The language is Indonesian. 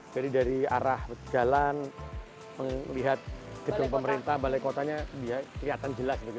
jadi dari arah jalan melihat gedung pemerintah balai kotanya kelihatan jelas begitu